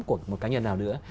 của một cá nhân nào nữa